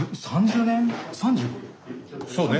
そうね。